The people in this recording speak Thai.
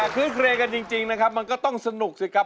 คือเคลียร์กันจริงนะครับมันก็ต้องสนุกสิครับ